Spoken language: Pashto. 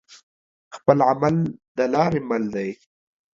خپل عمل د لارې مل دى.